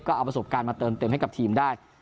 ก็เอาประสบการณ์มาเติมเต็มให้กับทีมได้